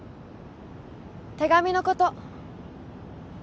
手紙のこと。